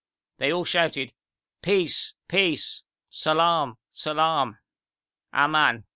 They all shouted 'Peace! peace!' (salaam! salaam!) 'aman!